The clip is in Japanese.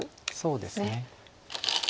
そうですね。